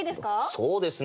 そうですね。